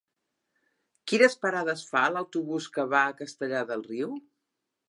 Quines parades fa l'autobús que va a Castellar del Riu?